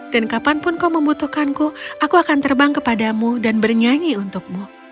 dan kapanpun kau membutuhkanku aku akan terbang kepadamu dan bernyanyi untukmu